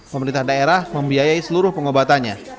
pemerintah daerah membiayai seluruh pengobatannya